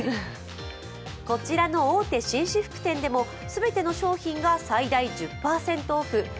こちらの大手紳士服店でも全ての商品が最大１０％オフ。